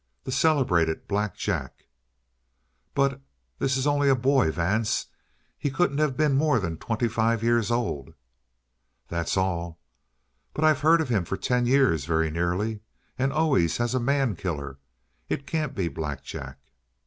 The celebrated Black Jack." "But this is only a boy, Vance. He couldn't have been more than twenty five years old." "That's all." "But I've heard of him for ten years, very nearly. And always as a man killer. It can't be Black Jack."